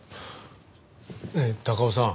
ねえ高尾さん。